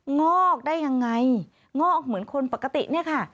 งอกได้ยังไงงอกเหมือนคนปกติเนี่ยค่ะ